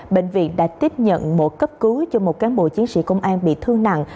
bệnh viện đã tiếp nhận một cấp cứu cho một cán bộ chiến sĩ công an bị thương nặng